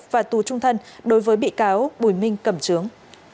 và tù trung thân đối với bị cáo bùi minh cẩm trướng